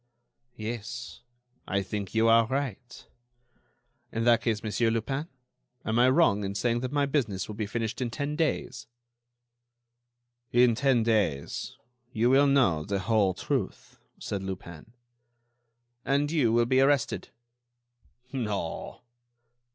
"Yes, I think you are right." "In that case, Monsieur Lupin, am I wrong in saying that my business will be finished in ten days?" "In ten days you will know the whole truth," said Lupin. "And you will be arrested." "No."